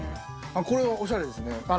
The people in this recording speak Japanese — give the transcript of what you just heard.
これおしゃれですね。